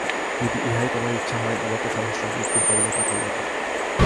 যদি ইহাই তোমার ইচ্ছা হয়, আমাকে সহস্র মৃত্যুর কবলে পাঠাইয়া দাও।